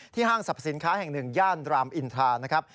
ห้างสรรพสินค้าแห่งหนึ่งย่านรามอินทรานะครับ